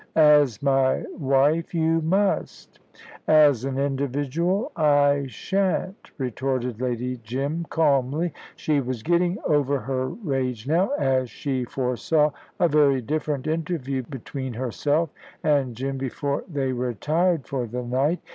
"As my wife, you must." "As an individual, I shan't," retorted Lady Jim, calmly. She was getting over her rage now, as she foresaw a very different interview between herself and Jim before they retired for the night.